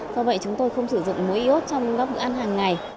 do vậy chúng tôi không sử dụng mối y ốt trong các bữa ăn hàng ngày